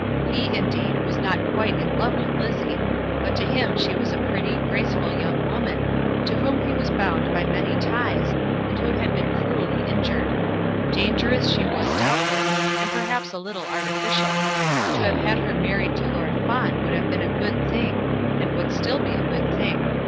He, indeed, was not quite in love with Lizzie; but to him she was a pretty, graceful young woman, to whom he was bound by many ties, and who had been cruelly injured. Dangerous she was doubtless, and perhaps a little artificial. To have had her married to Lord Fawn would have been a good thing, and would still be a good thing.